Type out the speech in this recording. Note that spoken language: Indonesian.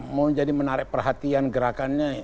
mau jadi menarik perhatian gerakannya